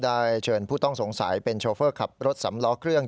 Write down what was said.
เชิญผู้ต้องสงสัยเป็นโชเฟอร์ขับรถสำล้อเครื่อง